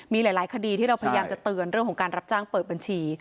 มีหลายคดีที่เราพยายามจะเตือนเรื่องของการรับจ้างเปิดบัญชี